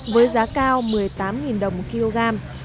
với giá cao một mươi tám đồng kg